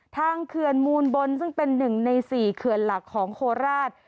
ทางเคือนมูลบนซึ่งเป็นหนึ่งในสี่เคือนหลักของโคลาศ